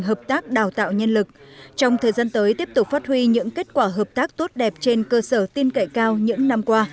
hợp tác đào tạo nhân lực trong thời gian tới tiếp tục phát huy những kết quả hợp tác tốt đẹp trên cơ sở tin cậy cao những năm qua